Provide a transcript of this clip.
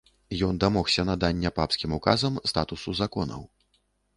Ён дамогся надання папскім ўказам статусу законаў.